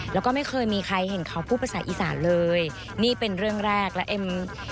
แล้วก็ไม่เคยมีใครเห็นเขาพูดภาษาอีสานเลยนี่เป็นเรื่องแรกแล้วเอ็ม